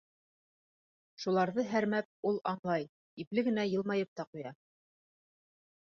Шуларҙы һәрмәп, ул аңлай, ипле генә йылмайып та ҡуя.